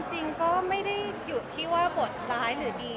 จริงก็ไม่ได้หยุดที่ว่าบทร้ายหรือดี